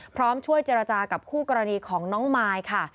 พร้อมช่วยเจรจากับคู่กรณีของน้องมายค่ะ